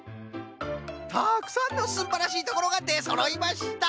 たくさんのすんばらしいところがでそろいました！